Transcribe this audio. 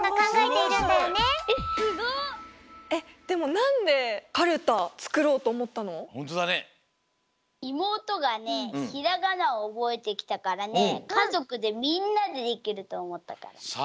いもうとがねひらがなをおぼえてきたからねかぞくでみんなでできるとおもったから。